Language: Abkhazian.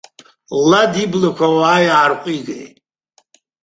Лад иблақәа ауаа иаарҟәигеит.